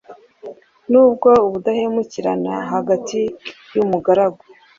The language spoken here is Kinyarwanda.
N'ubwo ukudahemukirana hagati y'umugaragu